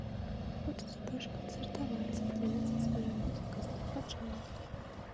Хочацца больш канцэртаваць, дзяліцца сваёй музыкай з слухачамі.